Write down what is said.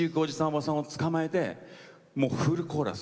おばさんを捕まえてもうフルコーラス。